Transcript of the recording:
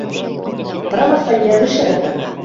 رَمَى الصَّيَّادُ الشَّبَكَةَ.